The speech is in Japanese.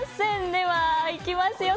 では、いきますよ。